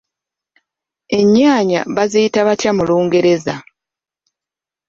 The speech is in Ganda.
Ennyaanya baziyita batya mu lungereza?